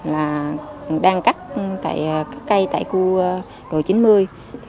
là đang cắt cây tại khu đồi chín mươi